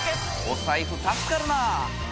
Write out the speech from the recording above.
お財布助かるなぁ。